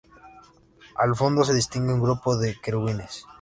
Al fondo se distingue un grupo de querubines.